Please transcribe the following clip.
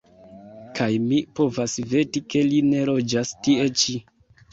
Kaj mi povas veti, ke li ne loĝas tie ĉi.